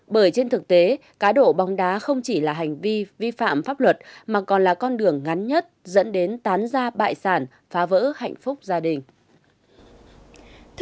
bởi trên thực tế cá độ bóng đá không chỉ là hành vi vi phạm pháp luật mà còn là con đường ngắn nhất dẫn đến tán ra bại sản phá vỡ hạnh phúc gia đình